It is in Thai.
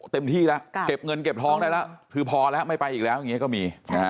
เต็มที่แล้วเก็บเงินเก็บท้องได้แล้วคือพอแล้วไม่ไปอีกแล้วอย่างนี้ก็มี